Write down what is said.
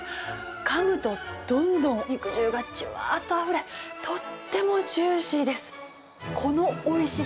かむと、どんどん肉汁がじゅわーっとあふれ、とってもジューシーです。